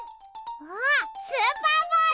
あっスーパーボール！